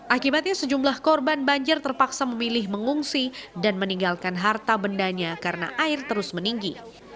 akibatnya sejumlah korban banjir terpaksa memilih mengungsi dan meninggalkan harta bendanya karena air terus meninggi